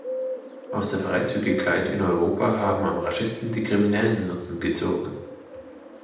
Aus der Freizügigkeit in Europa haben am raschesten die Kriminellen Nutzen gezogen.